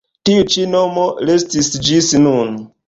Tiu ĉi nomo restis ĝis nun.